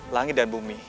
langit dan bumi